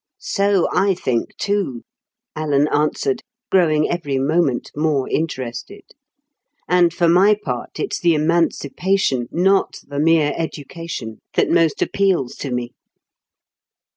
"So I think too," Alan answered, growing every moment more interested. "And for my part, it's the emancipation, not the mere education, that most appeals to me."